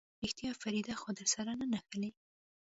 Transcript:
رښتيا فريده خو درسره نه نښلي.